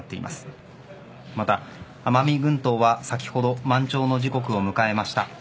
また奄美群島は、先ほど満潮の時刻を迎えました。